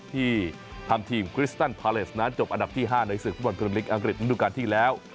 ที่ทำทีมคริสตันพาเลสนั้นจบอันดับที่๕ในศึกฟุตบอลพิมลิกอังกฤษฤดูการที่แล้ว